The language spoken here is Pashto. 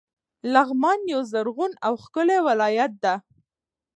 لغمان یو زرغون او ښکلی ولایت ده.